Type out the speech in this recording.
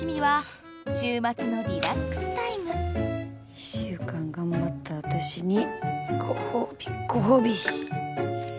一週間頑張った私にご褒美ご褒美。